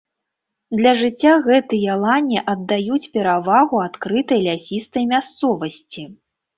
Для жыцця гэтыя лані аддаюць перавагу адкрытай лясістай мясцовасці.